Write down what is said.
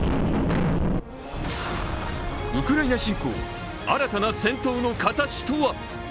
ウクライナ侵攻、新たな戦闘の形とは。